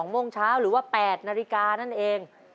โมงเช้าหรือว่า๘นาฬิกานั่นเอง